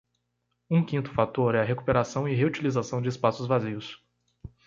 Um quinto fator é a recuperação e reutilização de espaços vazios.